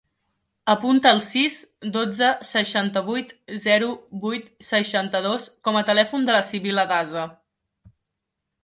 Apunta el sis, dotze, seixanta-vuit, zero, vuit, seixanta-dos com a telèfon de la Sibil·la Daza.